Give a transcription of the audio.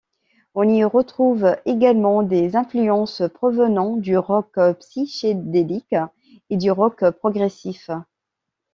On y retrouve également des influences provenant du rock psychédélique et du rock progressif.